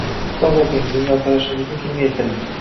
Kitob oʻqing, dunyoqarashingizni kengaytiring.